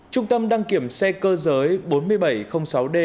trung tâm đăng kiểm xe cơ giới bốn nghìn bảy trăm linh sáu d